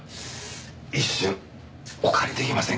一瞬お借りできませんか？